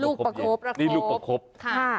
ประคบนะคะนี่ลูกประคบค่ะ